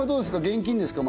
現金ですか？